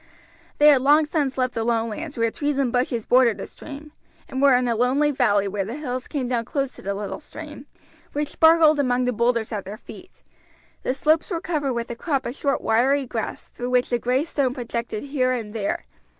They had long since left the low lands, where trees and bushes bordered the stream, and were in a lonely valley where the hills came down close to the little stream, which sparkled among the boulders at their feet. The slopes were covered with a crop of short wiry grass through which the gray stone projected here and there.